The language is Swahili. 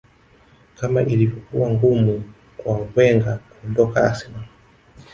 kama ilivyokuwa ngumu kwa wenger kuondoka arsenal